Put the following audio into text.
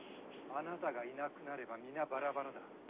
あなたがいなくなれば皆バラバラだ。